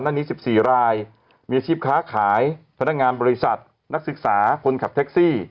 นี้๑๔รายมีอาชีพค้าขายพนักงานบริษัทนักศึกษาคนขับแท็กซี่